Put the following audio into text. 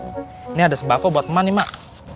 ini ada sembako buat teman nih mak